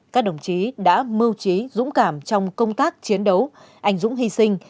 các đồng chí đã mưu trí dũng cảm trong công tác chiến đấu anh dũng hy sinh